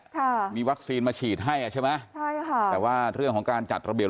ค่ะมีวัคซีนมาฉีดให้อ่ะใช่ไหมใช่ค่ะแต่ว่าเรื่องของการจัดระเบียบ